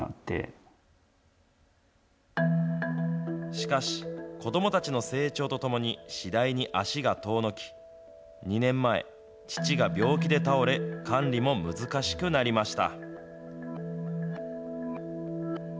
しかし、子どもたちの成長とともに、次第に足が遠のき、２年前、父が病気で倒れ、管理も難しくなりました。